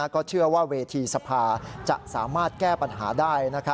ก็เชื่อว่าเวทีสภาจะสามารถแก้ปัญหาได้